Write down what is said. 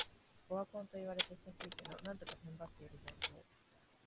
オワコンと言われて久しいけど、なんとか踏ん張ってる状況